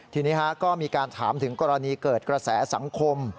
ทีนี้ก็มีการถามถึงกรณีเกิดกระแสสังคม